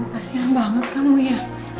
hasil banget kamu ya